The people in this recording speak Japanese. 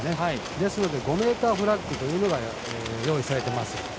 ですので５ｍフラッグというのが用意されてます。